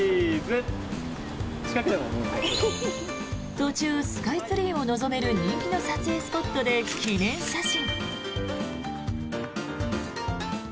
途中、スカイツリーを望める人気の撮影スポットで記念写真。